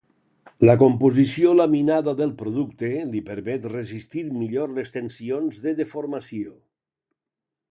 La composició laminada del producte li permet resistir millor les tensions de deformació.